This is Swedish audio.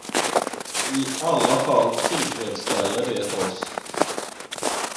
I alla fall tillfredsställer det oss.